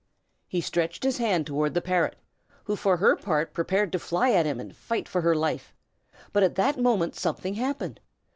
] He stretched his hand toward the parrot, who for her part prepared to fly at him and fight for her life; but at that moment something happened.